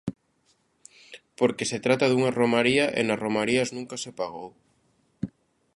Porque se trata dunha romaría e nas romarías nunca se pagou.